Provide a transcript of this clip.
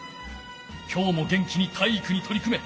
今日も元気に体育に取り組め！